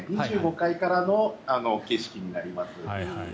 ２５階からの景色になります。